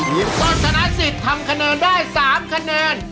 ปริมก็สนับสิทธิ์ทำคะแนนได้๓คะแนน